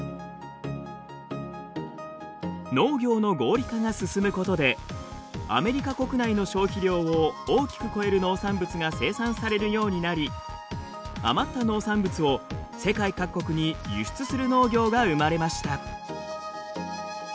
農業の合理化が進むことでアメリカ国内の消費量を大きく超える農産物が生産されるようになり余った農産物を世界各国に輸出する農業が生まれました。